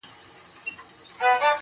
په دار مي کړئ چي ياد – یاد سي د دې زمانې